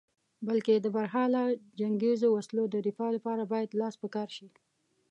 بلکې د برحاله جنګیزو وسلو د دفاع لپاره باید لاس په کار شې.